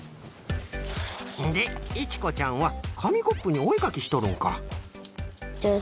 でいちこちゃんはかみコップにおえかきしとるんか。